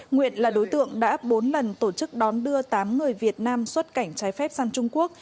nguyễn là đối tượng đã bốn lần tổ chức đón đưa tám người việt nam xuất cảnh trái phép sang trung quốc